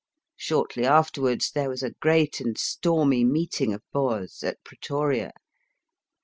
Shortly afterwards, there was a great and stormy meeting of Boers at Pretoria.